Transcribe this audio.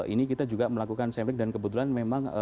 ini kita juga melakukan sampling dan kebetulan memang